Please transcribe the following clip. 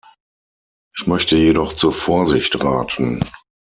Ich möchte jedoch zur Vorsicht raten.